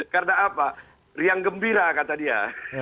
karena apa riang gembira kata dia